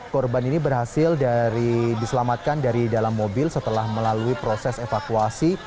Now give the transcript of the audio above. korban ini berhasil diselamatkan dari dalam mobil setelah melalui proses evakuasi